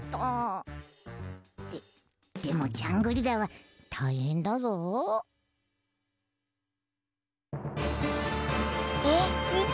ででもジャングリラはたいへんだぞ。あっみて！